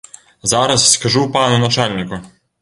Зараз скажу пану начальніку.